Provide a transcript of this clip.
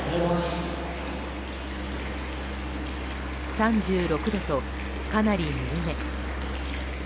３６度とかなりぬるめ。